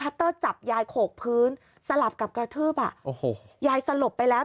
เตอร์จับยายโขกพื้นสลับกับกระทืบอ่ะโอ้โหยายสลบไปแล้ว